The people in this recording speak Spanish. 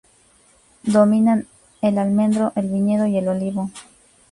Dominan el almendro, el viñedo y el olivo.